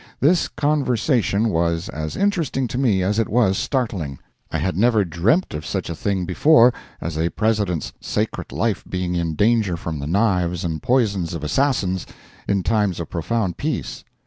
This conversation was as interesting to me as it was startling. I had never dreamt of such a thing before as a President's sacred life being in danger from the knives and poisons of assassins in times of profound peace.